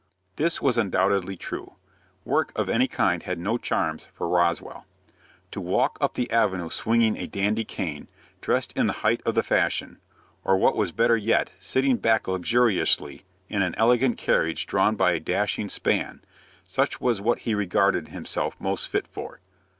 This was undoubtedly true. Work of any kind had no charms for Roswell. To walk up the avenue swinging a dandy cane, dressed in the height of the fashion, or, what was better yet, sitting back luxuriously in an elegant carriage drawn by a dashing span; such was what he regarded himself most fit for.